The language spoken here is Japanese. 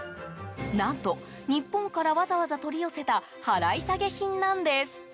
何と、日本からわざわざ取り寄せた払い下げ品なんです。